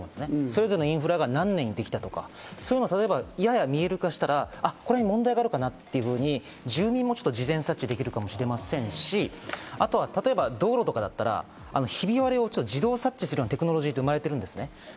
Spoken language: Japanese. それぞれのインフラが何年にできたとか、そういうのをやや見える化したら、問題があるかなっていうふうに住民も事前察知できるかもしれませんし、例えば道路とかだったら、ひび割れを自動察知するようなテクノロジーって生まれてるんですね。